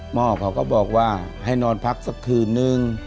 หมอกัวก็บอกว่าให้นอนพักสักทีหนึ่ง